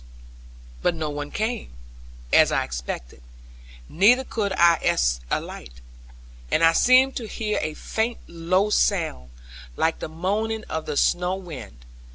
But no one came, as I expected, neither could I espy a light. And I seemed to hear a faint low sound, like the moaning of the snow wind.